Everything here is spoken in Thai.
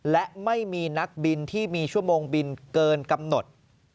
และไม่มีนักบินที่มีชั่วโมงบินเกินกำหนด